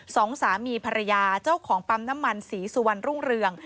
สองสามีภรรยาเจ้าของปั๊มน้ำมันศรีสุวรรณรุ่งเรือง